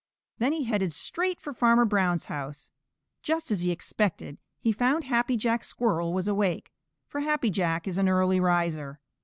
Then he headed straight for Farmer Brown's house. Just as he expected he found Happy Jack Squirrel was awake, for Happy Jack is an early riser.